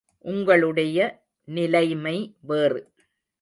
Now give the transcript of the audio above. உங்களுடைய நிலைமை வேறு.